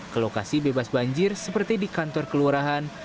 ke lokasi bebas banjir seperti di kantor kelurahan